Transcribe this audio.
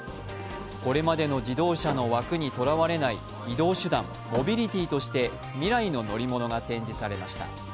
これまでの自動車の枠にとらわれない移動手段＝モビリティとして未来の乗り物が展示されました。